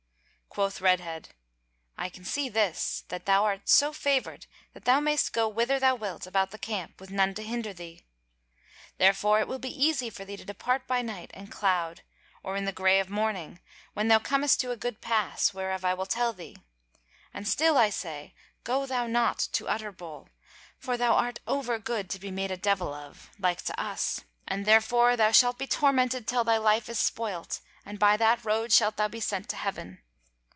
Quoth Redhead: "I can see this, that thou art so favoured that thou mayst go whither thou wilt about the camp with none to hinder thee. Therefore it will be easy for thee to depart by night and cloud, or in the grey of morning, when thou comest to a good pass, whereof I will tell thee. And still I say, go thou not to Utterbol: for thou art over good to be made a devil of, like to us, and therefore thou shalt be tormented till thy life is spoilt, and by that road shalt thou be sent to heaven."